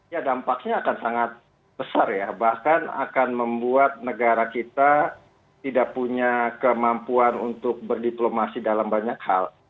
ya dampaknya akan sangat besar ya bahkan akan membuat negara kita tidak punya kemampuan untuk berdiplomasi dalam banyak hal